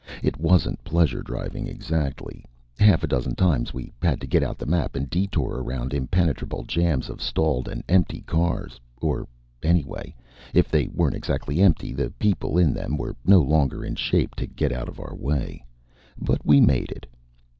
It wasn't pleasure driving, exactly half a dozen times we had to get out the map and detour around impenetrable jams of stalled and empty cars or anyway, if they weren't exactly empty, the people in them were no longer in shape to get out of our way. But we made it.